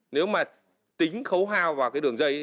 nếu mà tính khấu hao vào cái đường dây